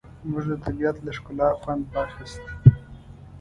موږ د طبیعت له ښکلا خوند واخیست.